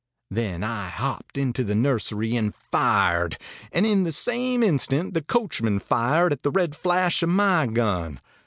Then I hopped into the nursery and fired, and in the same instant the coachman fired at the red flash of my gun.